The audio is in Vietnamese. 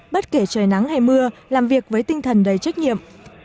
bất kể trời nắng hay mưa làm việc với tinh thần đầy trách nhiệm